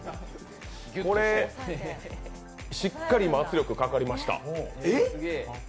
これでしっかり圧力かかりました。